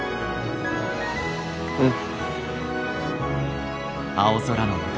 うん。